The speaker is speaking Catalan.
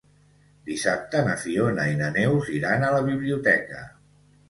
Dissabte na Fiona i na Neus iran a la biblioteca.